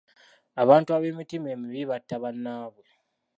Abantu ab'emitima emibi batta bannaabwe.